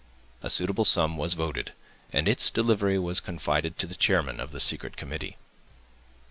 A suitable sum was voted; and its delivery was confided to the chairman of the secret committee.